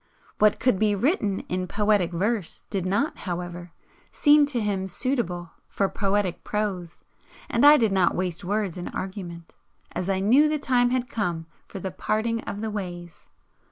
What could be written in poetic verse did not, however, seem to him suitable for poetic prose, and I did not waste words in argument, as I knew the time had come for the parting of the ways.